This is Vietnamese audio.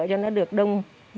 cho nó được đông